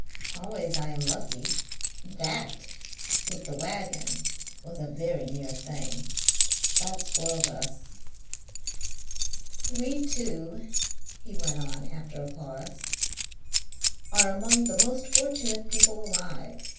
Always I am lucky. THAT with the waggon was a very near thing. God spoils us. "We two," he went on, after a pause, "are among the most fortunate people alive.